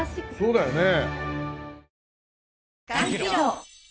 そうだよね。